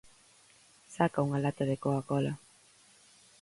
Saca unha lata de Coca-Cola.